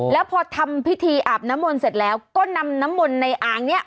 แล้วพอทำพิธีอาบน้ำมนต์เสร็จแล้วก็นำน้ำมนต์ในอ่างนี้